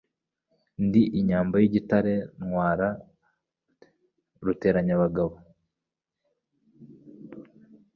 Ndi inyambo y' igitare ntwara ruteranyangabo